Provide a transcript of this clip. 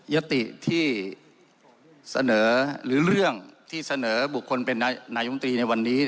ยติที่เสนอหรือเรื่องที่เสนอบุคคลเป็นนายมตรีในวันนี้